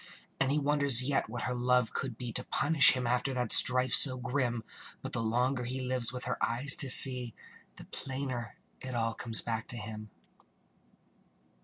And he wonders yet what her love could be To punish him after that strife so grim; But the longer he lives with her eyes to see, The plainer it all comes back to him.